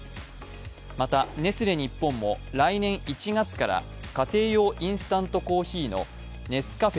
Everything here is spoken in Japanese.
また、ネスレ日本も来年１月から家庭用インスタントコーヒーのネスカフェ